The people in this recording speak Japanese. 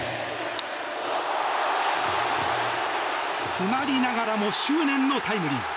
詰まりながらも執念のタイムリー。